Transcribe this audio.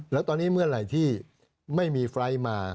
แล้วตอนนี้เมื่อไหร่ที่ไม่มีไฟล์ทมา